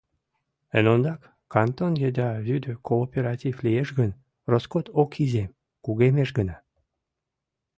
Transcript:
Эн ондак, кантон еда рӱдӧ кооператив лиеш гын, роскот ок изем, кугемеш гына.